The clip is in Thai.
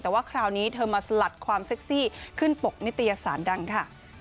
แต่ว่าคราวนี้เธอมาสลัดความเซ็กซี่ขึ้นปกนิตยสารดังค่ะ